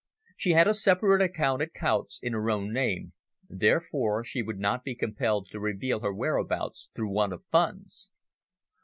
She had a separate account at Coutts' in her own name, therefore she would not be compelled to reveal her whereabouts through want of funds.